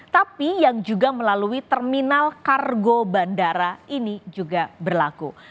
tapi yang juga melalui terminal kargo bandara ini juga berlaku